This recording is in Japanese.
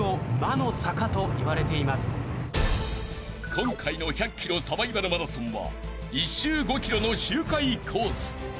［今回の１００ｋｍサバイバルマラソンは１周５ｋｍの周回コース］